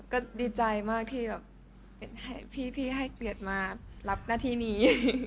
ก็ดีใจมากที่แบบพี่ให้เกียรติมารับหน้าที่นี้